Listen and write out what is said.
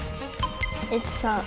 １３。